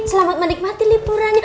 selamat menikmati liburan